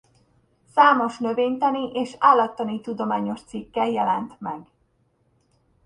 Számos növénytani és állattani tudományos cikke jelent meg.